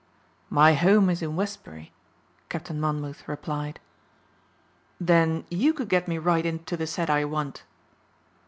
"My home is in Westbury," Captain Monmouth replied. "Then you could get me right in to the set I want?"